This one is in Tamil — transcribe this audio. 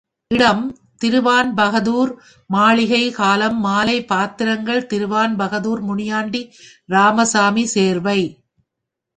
இடம் திவான்பகதூர் மாளிகை காலம் மாலை பாத்திரங்கள் திவான்பகதூர், முனியாண்டி, ராமசாமி சேர்வை.